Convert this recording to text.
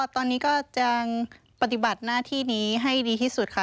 ตอนนี้ก็จะปฏิบัติหน้าที่นี้ให้ดีที่สุดค่ะ